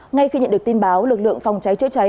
ngay khi nhận được tin báo lực lượng phòng cháy chữa cháy